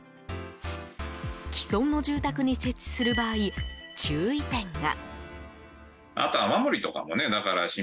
既存の住宅に設置する場合注意点が。